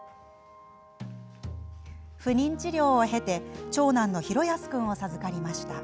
不妊治療を経て長男の嘉康君を授かりました。